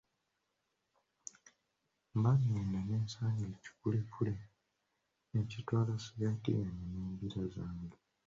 Mba ngenda ne nsanga ekikulekule ne kitwala sikaati yange n'embira zange.